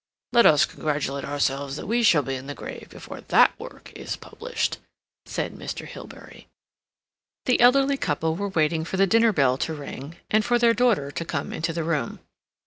"Let us congratulate ourselves that we shall be in the grave before that work is published," said Mr. Hilbery. The elderly couple were waiting for the dinner bell to ring and for their daughter to come into the room.